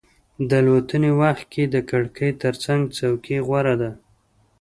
د الوتنې وخت کې د کړکۍ ترڅنګ څوکۍ غوره ده.